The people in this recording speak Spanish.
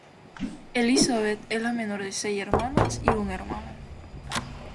Elizabeth es la menor de seis hermanas y un hermano.